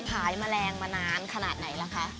แมลงมานานขนาดไหนล่ะคะ